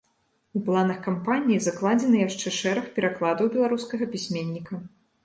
У планах кампаніі закладзены яшчэ шэраг перакладаў беларускага пісьменніка.